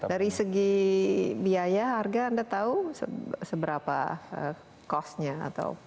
dari segi biaya harga anda tahu seberapa costnya atau